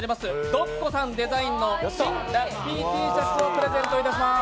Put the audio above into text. ｄｏｃｃｏさんデザインの新ラッピーＴシャツをプレゼントいたします。